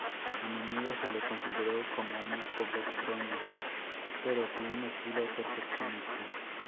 A menudo se la consideró como una obra extraña, pero con un estilo perfeccionista.